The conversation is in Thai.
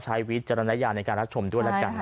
วิจารณญาณในการรับชมด้วยแล้วกัน